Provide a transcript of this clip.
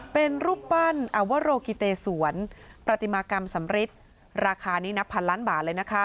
เป็นรูปปั้นอวโรกิเตสวนปฏิมากรรมสำริทราคานี้นับพันล้านบาทเลยนะคะ